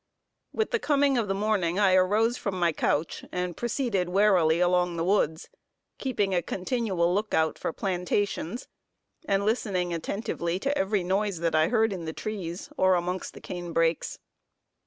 With the coming of the morning I arose from my couch, and proceeded warily along the woods, keeping a continual lookout for plantations, and listening attentively to every noise that I heard in the trees, or amongst the canebrakes.